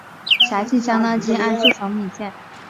辖境相当今甘肃省岷县。